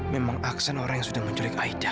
memang aksen orang yang sudah menculik aida